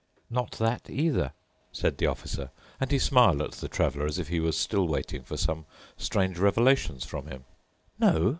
"Not that either," said the Officer, and he smiled at the traveler, as if he was still waiting for some strange revelations from him. "No?"